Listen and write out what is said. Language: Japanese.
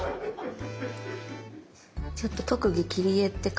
ちょっと特技切り絵って書きます。